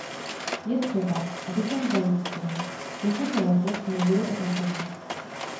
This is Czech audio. Je třeba, abychom zajistili, že se to letos nebude opakovat.